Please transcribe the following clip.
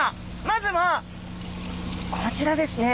まずはこちらですね。